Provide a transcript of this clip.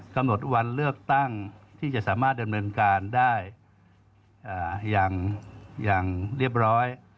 กำหนดวันเลือกตั้งที่จะสามารถดำเนินการได้อย่างเรียบร้อย